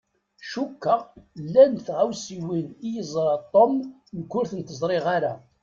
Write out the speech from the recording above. Cukkeɣ llan tɣawsiwin i yeẓṛa Tom nekk ur tent-ẓṛiɣ ara.